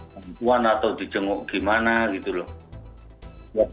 perempuan atau dijenguk gimana gitu loh